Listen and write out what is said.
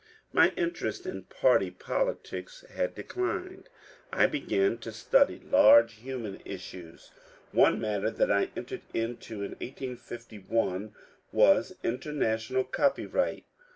My interest in party politics had declined; I began to study large human issues. One matter that I entered into in 1851 was International Copyright.